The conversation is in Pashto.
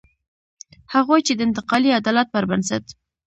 هغوی چې د انتقالي عدالت پر بنسټ.